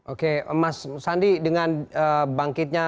oke mas sandi dengan bangkitnya